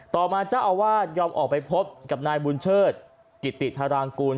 ต่อมาเจ้าอาวาสยอมออกไปพบกับนายบุญเชิดกิติธารางกูล